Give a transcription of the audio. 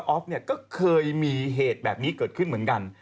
ออฟเนี่ยก็เคยมีเหตุแบบนี้เกิดขึ้นเหมือนกัน